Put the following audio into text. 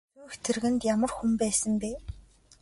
Сүйх тэргэнд ямар хүн байсан бэ?